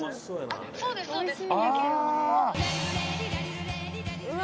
そうですそうです。